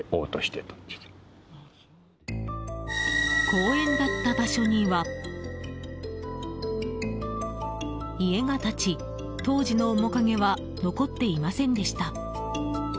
公園だった場所には家が立ち当時の面影は残っていませんでした。